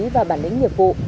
và bản lĩnh nhiệm vụ